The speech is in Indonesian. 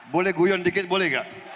boleh guyon dikit boleh gak